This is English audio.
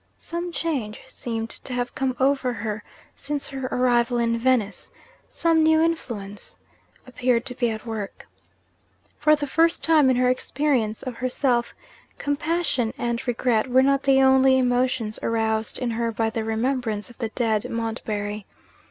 Some change seemed to have come over her since her arrival in Venice; some new influence appeared to be at work. For the first time in her experience of herself, compassion and regret were not the only emotions aroused in her by the remembrance of the dead Montbarry.